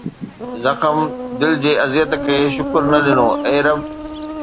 زخم دل جي اذيت کي شڪر نه ڏنو، اي رب